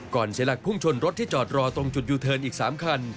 เสียหลักพุ่งชนรถที่จอดรอตรงจุดยูเทิร์นอีก๓คัน